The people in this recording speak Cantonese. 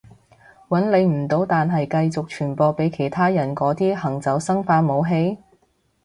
搵你唔到但係繼續傳播畀其他人嗰啲行走生化武器？